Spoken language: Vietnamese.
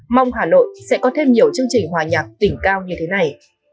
mong hà nội sẽ có thêm nhiều chương trình hòa nhạc đỉnh cao như thế này